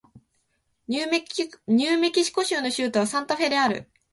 ニューメキシコ州の州都はサンタフェである